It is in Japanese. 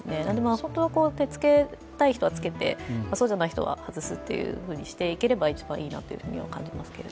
本当は着けたい人は着けて、そうじゃない人は外すというふうにしていければ一番いいなと感じますけれども。